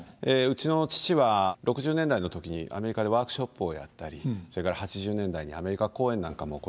うちの父は６０年代の時にアメリカでワークショップをやったりそれから８０年代にアメリカ公演なんかも行いましたので。